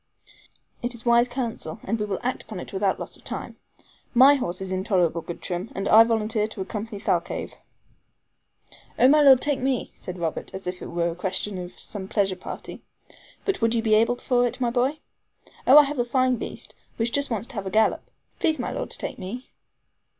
"It is wise counsel, and we will act upon it without loss of time. My horse is in tolerable good trim, and I volunteer to accompany Thalcave." "Oh, my Lord, take me," said Robert, as if it were a question of some pleasure party. "But would you be able for it, my boy?" "Oh, I have a fine beast, which just wants to have a gallop. Please, my Lord, to take me."